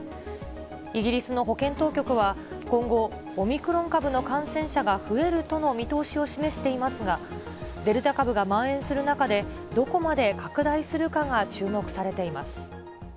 イギリスの保健当局は、今後、オミクロン株の感染者が増えるとの見通しを示していますが、デルタ株がまん延する中で、どこまで拡大するかが注目されています。